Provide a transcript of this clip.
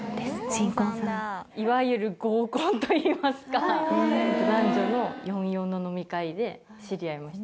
新婚さんいわゆる合コンといいますか男女の４４の飲み会で知り合いました